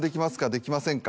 できませんか？